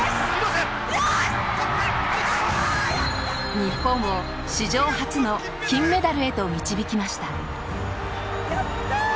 日本を史上初の金メダルへと導きました解説：やったー！